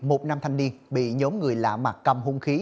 một năm thanh niên bị nhóm người lạ mặt cầm hôn khí